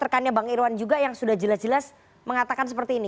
terkannya bang irwan juga yang sudah jelas jelas menangkan ini